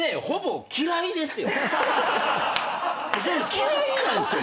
嫌いなんですよ